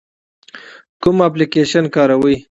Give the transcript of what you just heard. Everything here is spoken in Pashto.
کوم اپلیکیشن کاروئ؟